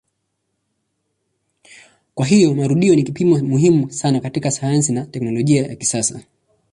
Kwa hiyo marudio ni kipimo muhimu sana katika sayansi na teknolojia ya kisasa.